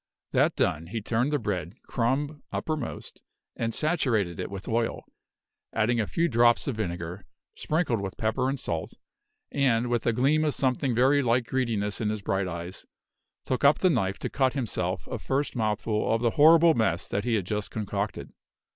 That done, he turned the bread, crumb uppermost, and saturated it with oil, added a few drops of vinegar, sprinkled with pepper and salt, and, with a gleam of something very like greediness in his bright eyes, took up the knife to cut himself a first mouthful of the horrible mess that he had just concocted.